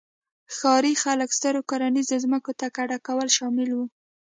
ښاري خلک سترو کرنیزو ځمکو ته کډه کول شامل وو